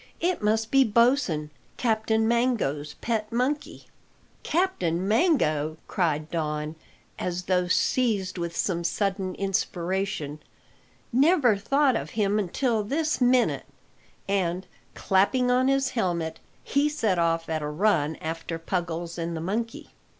It must be Bosin, Captain Mango's pet monkey." "Captain Mango!" cried Don, as though seized with some sudden inspiration. "Never thought of him until this minute!" and, clapping on his helmet, he set off at a run after Puggles and the monkey.